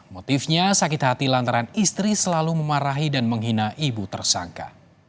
motifnya sakit hati lantaran istri selalu memarahi dan menghina ibu tersangka